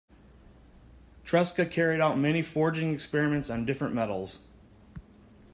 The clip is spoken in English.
Tresca carried out many forging experiments on different metals.